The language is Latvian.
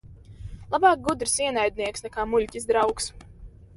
Labāk gudrs ienaidnieks nekā muļķis draugs.